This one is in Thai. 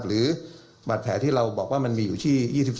หรือบาดแผลที่เราบอกว่ามันมีอยู่ที่๒๔